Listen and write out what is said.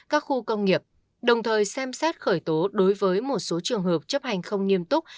các khu công nghiệp đồng thời xem xét khởi tố đối với một số trường hợp chấp hành không nghiêm túc